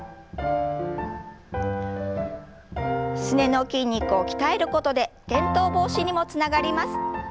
すねの筋肉を鍛えることで転倒防止にもつながります。